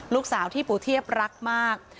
ลูกสาวที่ปู่เทียบรักมาก